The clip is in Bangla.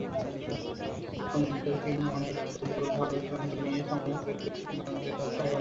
অনিরুদ্ধ একটি অদৃশ্য বড়ো লোহার দণ্ড দিয়ে সমস্ত দৈত্য সেনাদের হত্যা করেন।